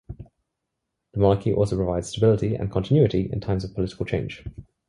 The monarchy also provides stability and continuity in times of political change.